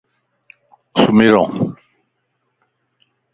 سُمي رَ وَ